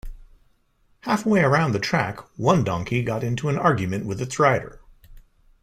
Halfway around the track one donkey got into an argument with its rider.